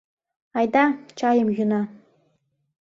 Айда чайым йӱына.